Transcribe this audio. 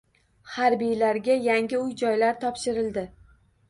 Harbiylarga yangi uy-joylar topshirildi